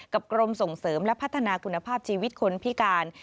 กรมส่งเสริมและพัฒนาคุณภาพชีวิตคนพิการ